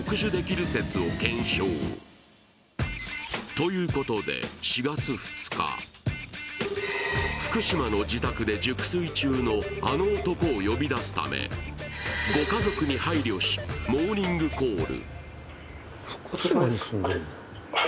ということで４月２日、福島の自宅で熟睡中のあの男を呼び出すため、ご家族に配慮しモーニングコール。